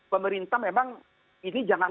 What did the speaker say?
pemerintah memang ini jangan